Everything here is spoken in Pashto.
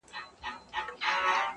خلګ ياران نه په لسټوني کي ماران ساتي-